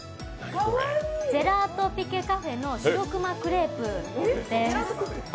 ジェラートピケカフェのシロクマクレープです。